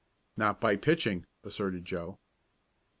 "Not by pitching," asserted Joe.